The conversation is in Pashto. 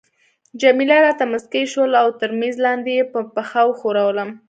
جميله راته مسکی شول او تر میز لاندي يې په پښه وښورولم.